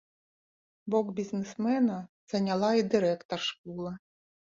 Бок бізнесмена заняла і дырэктар школы.